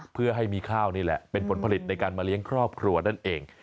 เพื่อให้มีข้าวนี่แหละเป็นผลผลิตในการมาเลี้ยงครอบครัวนั่นเอง